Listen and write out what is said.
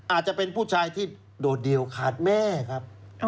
อาจจะเป็นผู้ชายที่โดดเดี่ยวขาดแม่ครับ